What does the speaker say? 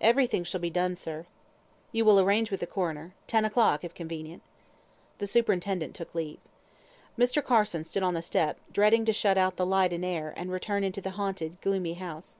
"Every thing shall be done, sir." "You will arrange with the coroner. Ten o'clock, if convenient." The superintendent took leave. Mr. Carson stood on the step, dreading to shut out the light and air, and return into the haunted, gloomy house.